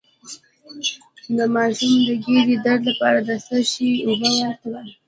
د ماشوم د ګیډې درد لپاره د څه شي اوبه ورکړم؟